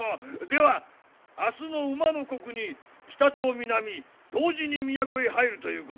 では明日の午の刻に北と南同時に都へ入るということで。